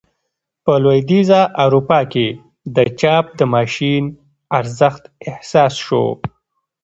په لوېدیځه اروپا کې د چاپ د ماشین ارزښت احساس شو.